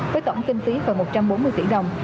với tổng kinh phí gần một trăm bốn mươi tỷ đồng